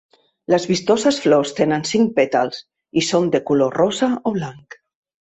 Les vistoses flors tenen cinc pètals, i són de color rosa o blanc.